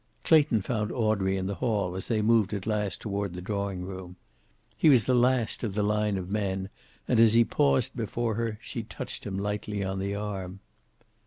Clayton found Audrey in the hall as they moved at last toward the drawing room. He was the last of the line of men, and as he paused before her she touched him lightly on the arm.